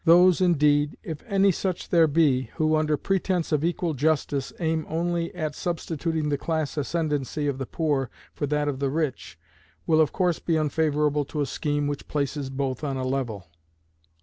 Those indeed, if any such there be, who, under pretense of equal justice, aim only at substituting the class ascendancy of the poor for that of the rich, will of course be unfavorable to a scheme which places both on a level.